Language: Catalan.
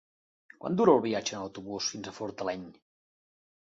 Quant dura el viatge en autobús fins a Fortaleny?